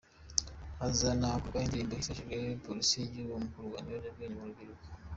Hazanakorwa indirimbo izifashishwa na Polisi y’igihugu mu kurwanya ibiyobyabwenge mu rubyiruko.